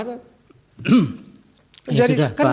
jadi kan yang paling pokok begini